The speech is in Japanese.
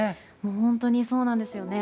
本当にそうなんですよね。